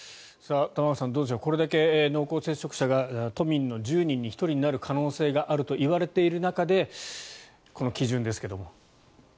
玉川さん、どうでしょうこれだけ濃厚接触者が都民の１０人の１人になる可能性があるといわれている中でこの基準ですが。